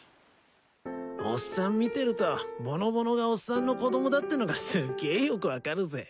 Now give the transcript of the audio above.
おっさん見てるとぼのぼのがおっさんの子供だってのがすっげえよく分かるぜ。